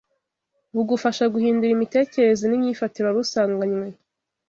bugufasha guhindura imitekerereze n’imyifatire wari usanganywe